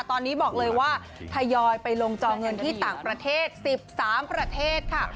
ตอนนี้บอกเลยว่าทยอยไปลงจอเงินที่ต่างประเทศ๑๓ประเทศค่ะ